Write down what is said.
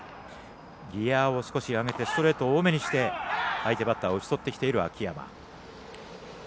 ギヤを少し上げてストレートを多めにして相手バッターを打ち取っている秋山。